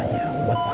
ayah buat apa